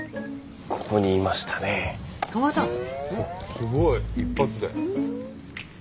すごい！一発で。